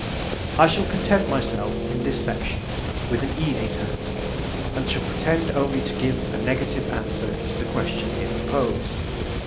I shall content myself, in this section, with an easy task, and shall pretend only to give a negative answer to the question here proposed.